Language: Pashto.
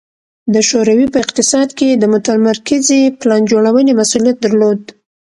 د شوروي په اقتصاد کې د متمرکزې پلان جوړونې مسوولیت درلود